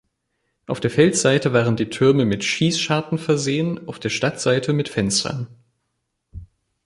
Auf der Feldseite waren die Türme mit Schießscharten versehen, auf der Stadtseite mit Fenstern.